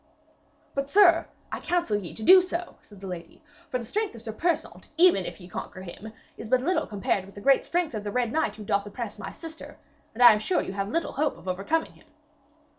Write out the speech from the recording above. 'But, sir, I counsel ye to do so,' said the lady. 'For the strength of Sir Persaunt, even if ye conquer him, is but little compared with the great strength of the Red Knight who doth oppress my sister. And I am sure you have little hope of overcoming him.'